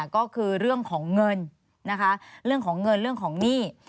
ก็คือเรื่องของเงินนะคะเรื่องของเงินเรื่องของหนี้